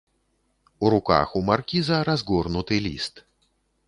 У руках у маркіза разгорнуты ліст.